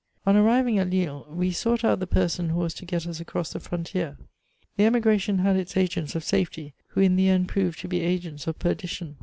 On arriving at lille, we sought out the person who was to get us across the frontier. The emigration had its agents of safety, who in the end proved to be agents of perdition.